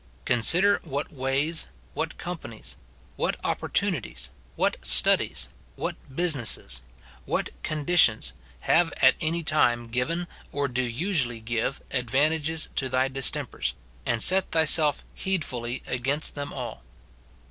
Consider what ways, what companies, what opportunities, what studies, what businesses, what conditions, have at any time given, or do usually give, advantages to thy dis tempers, and set thyself heedfully against them all.